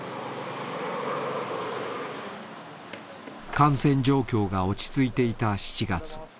感染状況が落ち着いていた７月。